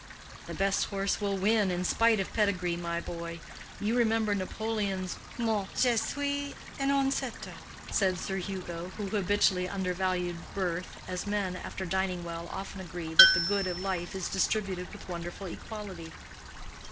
"The best horse will win in spite of pedigree, my boy. You remember Napoleon's mot—Je suis un ancêtre" said Sir Hugo, who habitually undervalued birth, as men after dining well often agree that the good of life is distributed with wonderful equality.